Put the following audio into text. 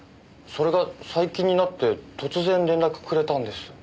それが最近になって突然連絡くれたんです。